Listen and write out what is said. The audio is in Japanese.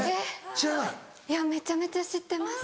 知らない？いやめちゃめちゃ知ってます。